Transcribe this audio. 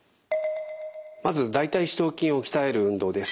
まず大腿四頭筋を鍛える運動です。